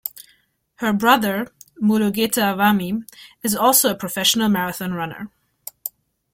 Her brother, Mulugeta Wami, is also a professional marathon runner.